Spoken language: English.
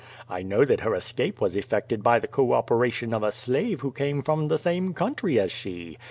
I know that her escape was effected by the co operation of a slave who came from the same country as she.